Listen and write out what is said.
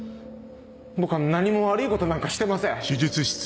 僕は何も悪いことなんかしてません。